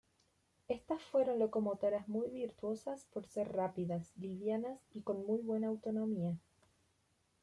Estas fueron locomotoras muy virtuosas por ser rápidas, livianas y con muy buena autonomía.